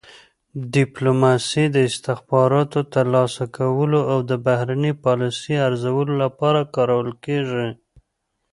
ډیپلوماسي د استخباراتو ترلاسه کولو او د بهرنۍ پالیسۍ ارزولو لپاره کارول کیږي